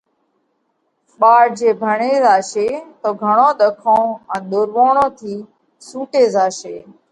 ٻاۯ جي ڀڻي زاشي تو گھڻون ۮکون ان ۮورووڻون ٿِي سُوٽي زاشي۔